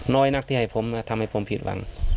น้อยนักที่ให้ผมทำให้ผมผิดหวัง